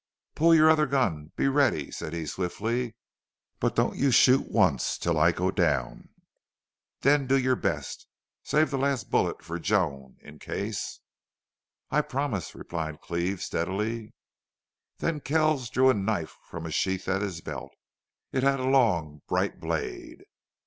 "Pull your other gun be ready," said he, swiftly. "But don't you shoot once till I go down!... Then do your best.... Save the last bullet for Joan in case " "I promise," replied Cleve, steadily. Then Kells drew a knife from a sheath at his belt. It had a long, bright blade.